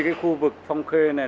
cái khu vực phong khê này